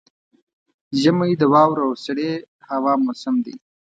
ژمی د واورو او سړې هوا موسم دی.